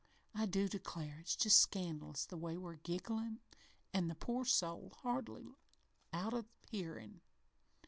I do declare it's just scandalous the way we're gigglin', an' the poor soul hardly out o' hearin'.